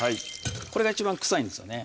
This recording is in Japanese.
これが一番臭いんですよね